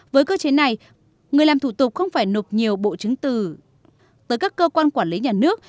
với cơ chế này người làm thủ tục không phải nộp nhiều bộ chứng từ tới các cơ quan quản lý nhà nước